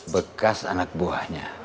bekas anak buahnya